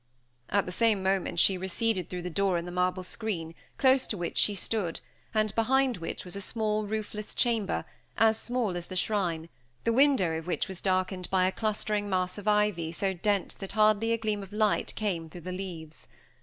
At the same moment she receded through the door in the marble screen, close to which she stood, and behind which was a small roofless chamber, as small as the shrine, the window of which was darkened by a clustering mass of ivy so dense that hardly a gleam of light came through the leaves.